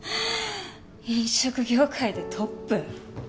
飲食業界でトップ？